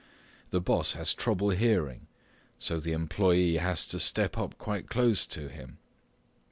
The boss has trouble hearing, so the employee has to step up quite close to him.